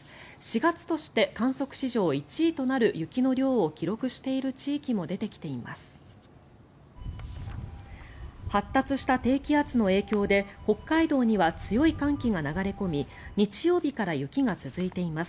４月として観測史上一位となる雪の量を記録している地域も出てきています。